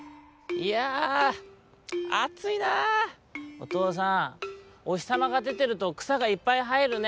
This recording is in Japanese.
「おとうさんおひさまがでてるとくさがいっぱいはえるね」。